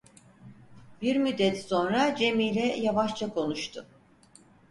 Bir müddet sonra Cemile yavaşça konuştu.